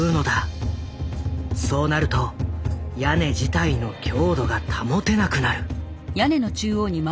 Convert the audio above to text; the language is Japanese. そうなると屋根自体の強度が保てなくなる。